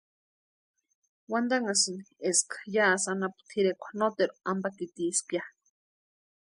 Wantanhasïn eska yásï anapu tʼirekwa noteru ampakitieska ya.